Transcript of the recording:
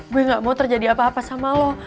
gue gak mau terjadi apa apa sama lo